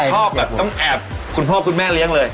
ชอบแบบต้องแอบคุณพ่อคุณแม่เลี้ยงเลย